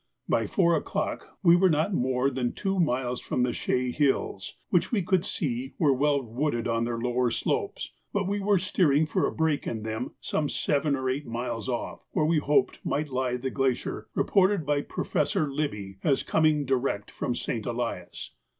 By four o'clock we were not more than two miles from the Chaix Hills, which we could see were well wooded on their lower slopes, but we were steering for a break in them some seven or eight miles off, where we hoped might lie the glacier reported by Professor Libbey as coming direct from St. Elias.